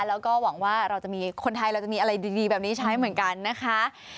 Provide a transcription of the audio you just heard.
แล้วก็หวังว่าเราจะมีคนไทยเราจะมีอะไรดีแบบนี้ใช้เหมือนกันนะคะ